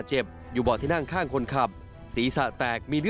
จึงรีบนำตัวส่งลงพันธมระชาวีด